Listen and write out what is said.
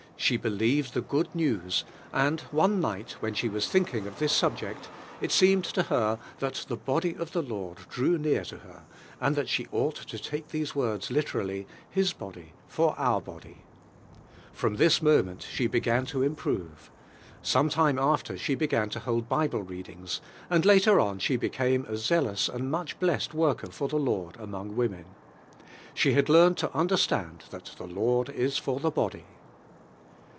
She believed the good news, and G6 DIVINX HEALIMO. one night when she was thinking of this subject it seemed to her that the body o* the lord drew near to her, and that she ought to late lliese words literally, "His bod j for our body." From this mo Blent she began to improve. Some time after she began to hold Bible readings, and later on she became a zealous and much bless^ worker for the Lord ;i women. She had learned to understand that the Lord is for the body.